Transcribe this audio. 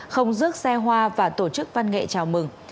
không rước xe hoa và tổ chức văn nghệ chào mừng